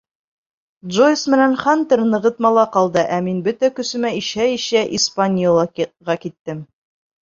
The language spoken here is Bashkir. Джойс менән Хантер нығытмала ҡалды, ә мин, бөтә көсөмә ишә-ишә, «Испаньола»ға киттем.